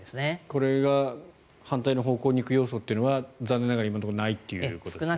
これが反対の方向に行く要素というのは残念ながら今のところないということですね。